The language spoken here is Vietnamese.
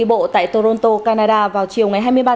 ngoại trưởng nga sergei lavrov tố mỹ không có ý định